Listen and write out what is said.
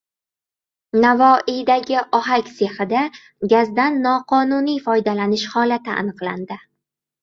Navoiydagi ohak sexida gazdan noqonuniy foydalanish holati aniqlandi